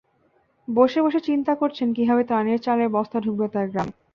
বসে বসে চিন্তা করছেন, কীভাবে ত্রাণের চালের বস্তা ঢুকবে তাঁর গ্রামে।